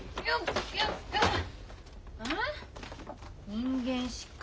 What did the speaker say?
「人間失格」